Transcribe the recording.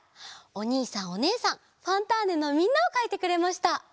おにいさんおねえさん「ファンターネ！」のみんなをかいてくれました。